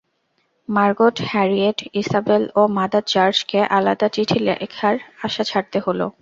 Margot, Harriet, Isabel ও mother চার্চকে আলাদা চিঠি লেখার আশা ছাড়তে হল।